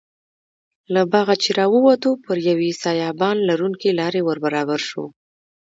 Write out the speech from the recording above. له باغه چې راووتو پر یوې سایبان لرونکې لارې وربرابر شوو.